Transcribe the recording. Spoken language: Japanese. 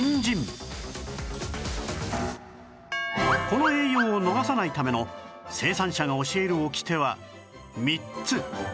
この栄養を逃さないための生産者が教えるオキテは３つ